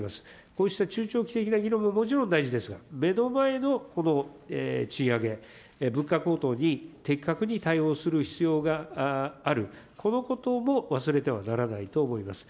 こうした中長期的な議論ももちろん大事ですが、目の前のこの賃上げ、物価高騰に的確に対応する必要がある、このことも忘れてはならないと思います。